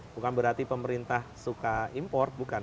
bukan berarti pemerintah suka import bukan